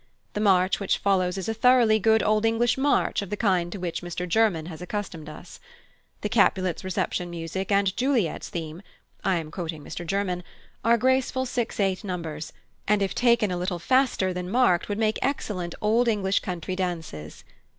The March which follows is a thoroughly good Old English march of the kind to which Mr German has accustomed us. The Capulets' Reception music and Juliet's theme (I am quoting Mr German) are graceful six eight numbers, and if taken a little faster than marked would make excellent Old English country dances.